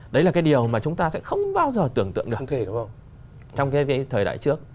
đấy là cái điều mà chúng ta sẽ không bao giờ tưởng tượng được trong cái thời đại trước